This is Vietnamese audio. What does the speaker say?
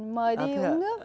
mời đi uống nước